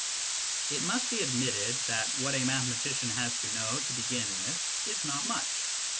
It must be admitted that what a mathe matician has to know to begin with is not much.